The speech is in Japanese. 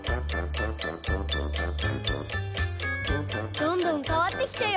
どんどんかわってきたよ。